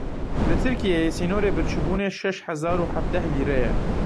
Li Tirkiyeyê sînorê birçîbûnê şeş hezar û hevdeh lîre ye.